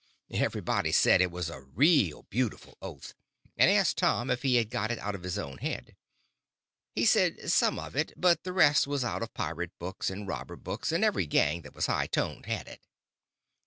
Everybody said it was a real beautiful oath, and asked Tom if he got it out of his own head. He said, some of it, but the rest was out of pirate books and robber books, and every gang that was high toned had it.